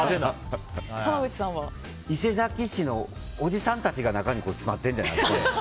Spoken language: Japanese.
伊勢崎市のおじさんたちが中に詰まっているんじゃない？